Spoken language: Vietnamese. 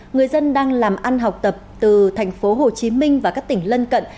người dân đang làm ăn học tập từ thành phố hồ chí minh và các tỉnh lân cận